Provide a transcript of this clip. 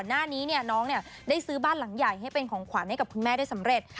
หน้านี้น้องได้ซื้อบ้านหลังใหญ่ให้เป็นของขวัญให้กับคุณแม่ได้สำเร็จ